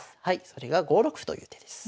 それが５六歩という手です。